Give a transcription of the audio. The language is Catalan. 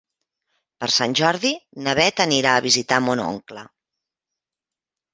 Per Sant Jordi na Beth anirà a visitar mon oncle.